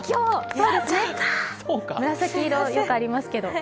紫色、よくありますけど。